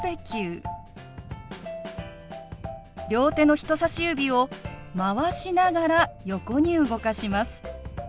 両手の人さし指をまわしながら横に動かします。